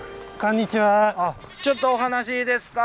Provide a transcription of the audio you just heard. ちょっとお話いいですか？